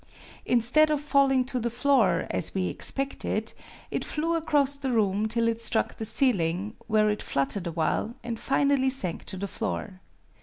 Instead of falling to the floor, as we expected, it flew across the room, till it struck the ceiling, where it fluttered awhile, and finally sank to the floor.